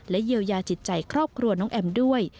เยียวยาจิตใจครอบครัวน้องแอมด้วย